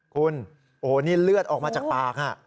คุณโอ้โหนี่เลือดออกมาจากปาก